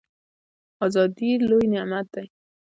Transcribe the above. ازادي لوی نعمت دی